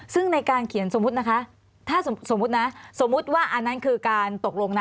ซึ่งในการเขียนสมมุติว่าอันนั้นคือการตกลง